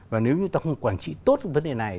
và nếu như ta không quản trị tốt vấn đề này